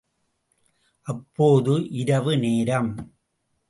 அப்போது இரவு நேரம்.